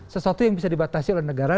sesuatu yang bisa dibatasi oleh negara